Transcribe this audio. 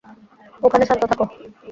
ওখানে শান্ত থাকো!